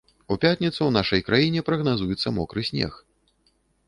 У пятніцу ў нашай краіне прагназуецца мокры снег.